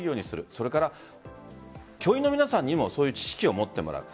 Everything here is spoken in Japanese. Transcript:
それから教員の皆さんにもそういう知識を持ってもらう。